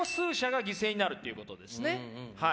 はい。